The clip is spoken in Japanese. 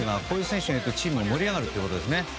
こういう選手がいるとチームが盛り上がるということです。